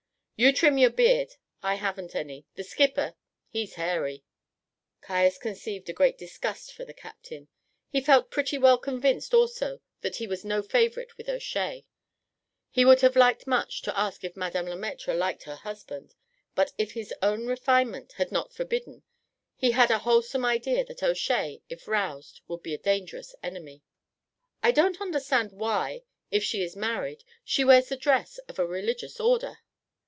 "You trim your beard, I haven't any; the skipper, he's hairy." Caius conceived a great disgust for the captain. He felt pretty well convinced also that he was no favourite with O'Shea. He would have liked much to ask if Madame Le Maître liked her husband, but if his own refinement had not forbidden, he had a wholesome idea that O'Shea, if roused, would be a dangerous enemy. "I don't understand why, if she is married, she wears the dress of a religious order."